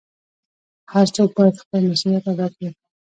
هر څوک بايد خپل مسؤليت ادا کړي .